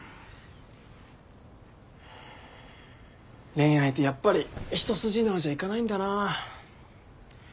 恋愛ってやっぱり一筋縄じゃいかないんだな。